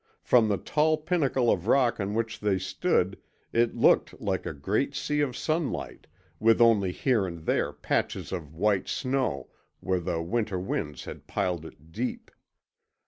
From the tall pinnacle of rock on which they stood it looked like a great sea of sunlight, with only here and there patches of white snow where the winter winds had piled it deep.